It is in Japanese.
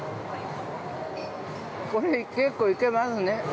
◆これ結構いけますね。